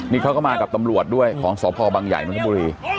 นี่เขาก็มากับตำรวจด้วยของสพบังใหญ่นทบุรี